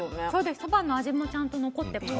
そばの味もちゃんと残っています。